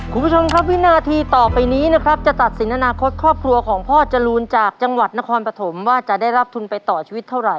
คุณผู้ชมครับวินาทีต่อไปนี้นะครับจะตัดสินอนาคตครอบครัวของพ่อจรูนจากจังหวัดนครปฐมว่าจะได้รับทุนไปต่อชีวิตเท่าไห